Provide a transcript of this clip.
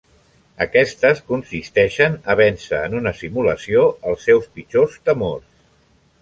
Aquestes consisteixen a vèncer en una simulació els seus pitjors temors.